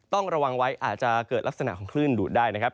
ต้องระวังไว้อาจจะเกิดลักษณะของคลื่นดูดได้นะครับ